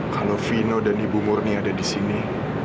kalau vino dan ibu murni ada di sini